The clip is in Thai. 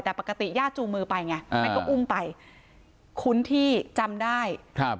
แต่ปกติญาติจูงมือไปไงแม่ก็อุ้มไปคุ้นที่จำได้ครับ